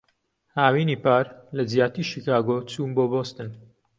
هاوینی پار، لەجیاتیی شیکاگۆ چووم بۆ بۆستن.